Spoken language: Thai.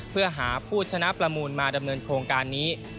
เพื่อหาผู้ชนะประมูลมาดำเนินโครงการนี้